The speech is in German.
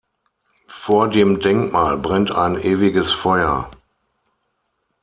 Vor dem Denkmal brennt ein ewiges Feuer.